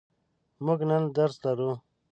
موږ نن درس لرو.